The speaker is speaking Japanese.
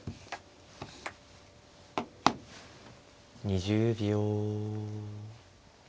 ２０秒。